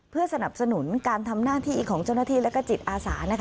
เพื่อสนับสนุนการทำหน้าที่ของเจ้าหน้าที่และก็จิตอาสานะคะ